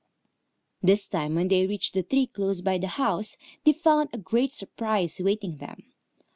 This time when they reached the tree close by the house, they found a great surprise awaiting them.